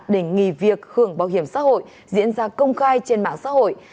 để nghỉ việc hưởng bảo hiểm xã hội diễn ra công khai trên mạng xã hội